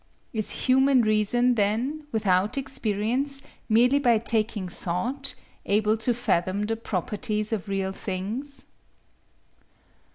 Is human reason, then, without experience, merely by taking thought, able to fathom the properties of real things.